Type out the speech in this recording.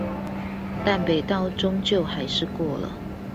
淡北道終究還是過了